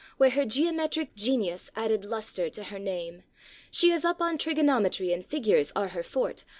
Where her geometric genius added luster to her name. She is up on trigonometry, and fig ures arc her forte.